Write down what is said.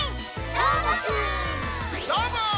どーも！